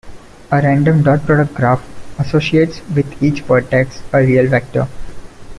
A random dot-product graph associates with each vertex a real vector.